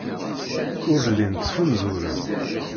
Ur llin ttfunzuren.